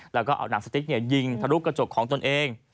แล้วก็เอาหนังสติ๊กยิงทะลุกระจกของตนเอง